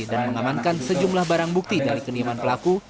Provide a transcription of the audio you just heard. dan mengamankan sejumlah barang bukti dari kenyaman pelaku